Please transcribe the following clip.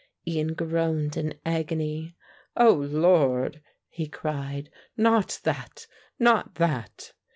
Ian groaned in agony. "O Lord," he cried, "not that, not that!"